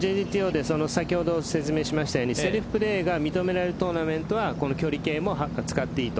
さきほど説明したようにセルフプレーが認められるトーナメントは距離計も使っていいと。